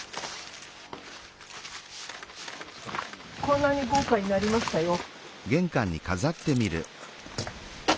こんなに豪華になりましたよ。